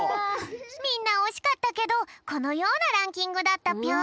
みんなおしかったけどこのようなランキングだったぴょん。